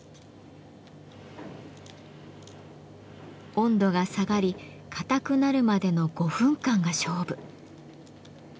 温度が下がり硬くなるまでの５分間が勝負。